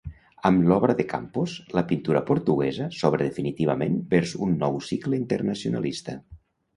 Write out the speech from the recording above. Amb l'obra de Campos, la pintura portuguesa s'obre definitivament vers un nou cicle internacionalista.